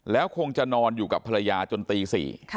แล้วคงจะนอนอยู่กับภรรยาจนตี๔